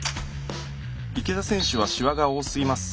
池田選手はシワが多すぎます。